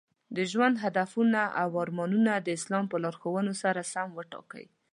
د ژوند هدفونه او ارمانونه د اسلام په لارښوونو سره سم وټاکئ.